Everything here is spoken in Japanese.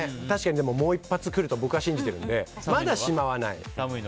確かにもう１発来ると僕は信じてるのでまだしまわない。